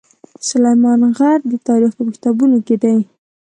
سلیمان غر د تاریخ په کتابونو کې دی.